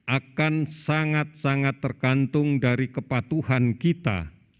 akan sangat sangat tergantung dari kepatuhan kita